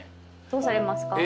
どうされますか？